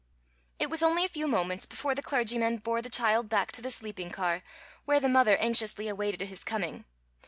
It was only a few moments before the clergyman bore the child back to the sleeping car, where the mother anxiously awaited his coming.